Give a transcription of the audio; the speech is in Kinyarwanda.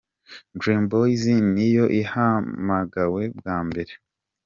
Dream Boys niyo ihamagawe bwa mbere.